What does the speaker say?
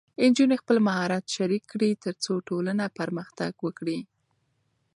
نجونې خپل مهارت شریک کړي، ترڅو ټولنه پرمختګ وکړي.